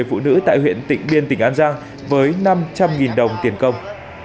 phụ nữ tại huyện tỉnh biên tỉnh an giang với năm trăm linh đồng tiền công